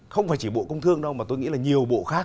không phải chỉ bộ công thương đâu mà tôi nghĩ là nhiều bộ khác